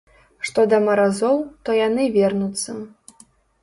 Што да маразоў, то яны вернуцца.